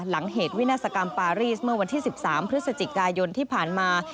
หลังเหตุวินาศกรรมปารีสเมื่อวันที่๑๓พฤศจิกายนที่ผ่านมา